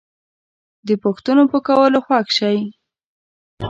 د پوښتنو په کولو خوښ شئ